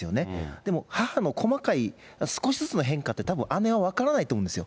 でも母の細かい、少しずつの変化って、たぶん姉は分からないと思うんですよ。